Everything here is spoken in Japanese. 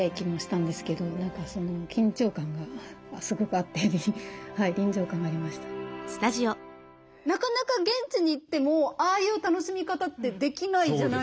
一緒に作っていくのでなかなか現地に行ってもああいう楽しみ方ってできないじゃないですか。